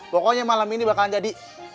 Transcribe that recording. pokoknya malam ini bakal jadi